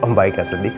om baik gak sedih kok